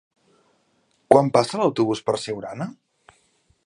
Quan passa l'autobús per Siurana?